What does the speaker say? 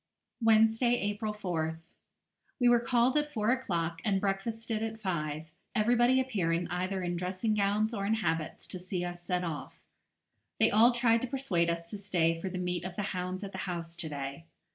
Wednesday, April 4th. We were called at four o'clock, and breakfasted at five, everybody appearing either in dressing gowns or in habits to see us set off. They all tried to persuade us to stay for the meet of the hounds at the house to day.